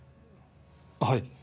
はい。